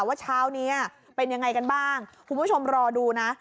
ว่าเช้านี้เป็นยังไงกันบ้างคุณผู้ชมรอดูนะ